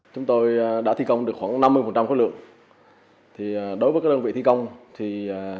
chúng tôi đã thi công được khoảng năm mươi khối lượng đối với các đơn vị thi công thì chúng tôi yêu cầu các đơn vị thi công phải tuân thủ nghiêm khắc công tắc